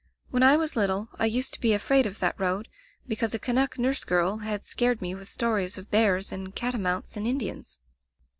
When I was little, I used to be afraid of that road, because a Canuck nurse girl had scared me with stories of bears and catamounts and Indians.